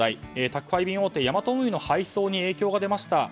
宅配便大手のヤマト運輸の配送に影響が出ました。